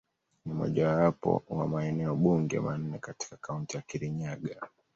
Ni mojawapo wa maeneo bunge manne katika Kaunti ya Kirinyaga.